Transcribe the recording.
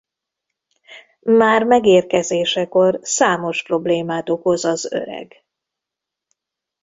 Már megérkezésekor számos problémát okoz az öreg.